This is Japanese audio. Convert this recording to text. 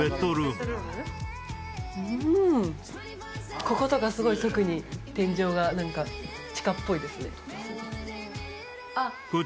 うんこことかすごい特に天井が地下っぽいですね